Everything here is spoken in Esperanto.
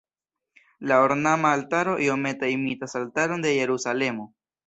La ornama altaro iomete imitas altaron de Jerusalemo.